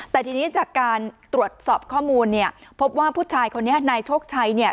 แต่ทีนี้จากการตรวจสอบข้อมูลเนี่ยพบว่าผู้ชายคนนี้นายโชคชัยเนี่ย